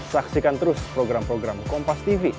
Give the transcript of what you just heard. saksikan terus program program kompastv